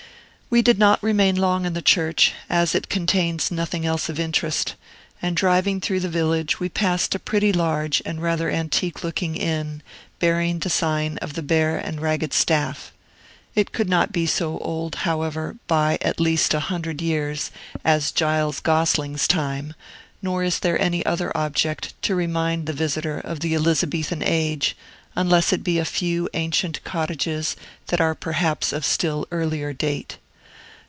We did not remain long in the church, as it contains nothing else of interest; and driving through the village, we passed a pretty large and rather antique looking inn, bearing the sign of the Bear and Ragged Staff. It could not be so old, however, by at least a hundred years, as Giles Gosling's time; nor is there any other object to remind the visitor of the Elizabethan age, unless it be a few ancient cottages, that are perhaps of still earlier date.